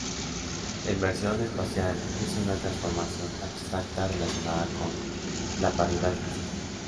La inversión espacial es una transformación abstracta relacionada con la paridad física.